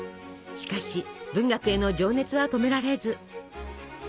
しかし文学への情熱は止められず。